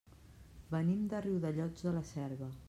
Venim de Riudellots de la Selva.